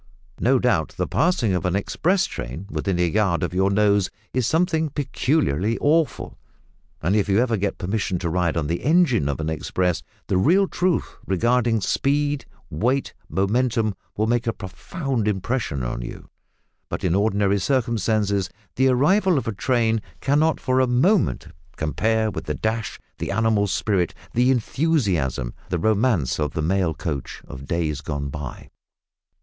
No doubt the passing of an express train within a yard of your nose is something peculiarly awful, and if you ever get permission to ride on the engine of an express, the real truth regarding speed, weight, momentum, will make a profound impression on you, but in ordinary circumstances the arrival of a train cannot for a moment compare with the dash, the animal spirit, the enthusiasm, the romance of the mail coach of days gone by.